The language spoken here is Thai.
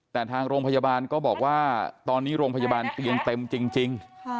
แต่ทางโรงพยาบาลก็บอกว่าตอนนี้โรงพยาบาลเตียงเต็มจริง